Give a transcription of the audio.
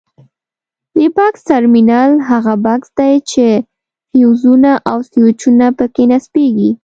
د بکس ټرمینل هغه بکس دی چې فیوزونه او سویچونه پکې نصبیږي.